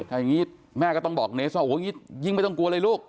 ถ้าอย่างนี้แม่ก็ต้องบอกเนสว่าโอ้โหยิ่งไม่ต้องกลัวเลยลูก